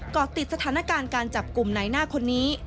เกาะติดสถานการณ์การจับกลุ่มในหน้าคนนี้